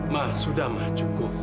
ma sudah ma cukup